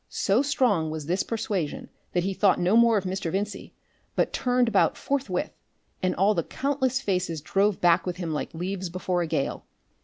So strong was this persuasion that he thought no more of Mr. Vincey, but turned about forthwith, and all the countless faces drove back with him like leaves before a gale.